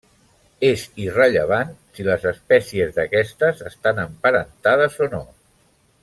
És irrellevant si les espècies d'aquestes estan emparentades o no.